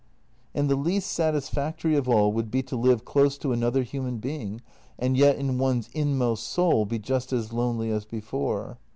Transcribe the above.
And the least satisfactory of all would be to live close to another human being and yet in one's inmost soul be just as lonely as before.